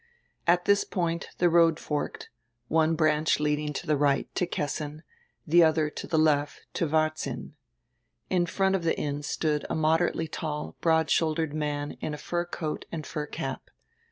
At diis point die road forked, one branch leading to die right to Kessin, the odier to die left to Varzin. In front of die inn stood a moderately tall, broad shouldered man in a fur coat and a fur cap.